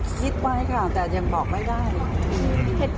เหตุผลที่เราประเมินจากตัวเลขที่เราคิดไว้ค่ะ